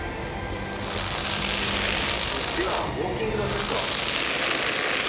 ではウォーキングのテストを。